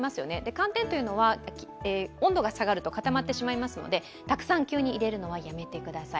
寒天というのは温度が下がると固まってしまいますのでたくさん急に入れるのはやめてください。